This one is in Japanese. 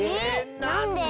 なんで？